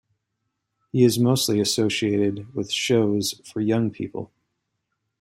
He is mostly associated with shows for young people.